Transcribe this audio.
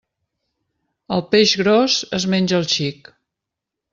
El peix gros es menja el xic.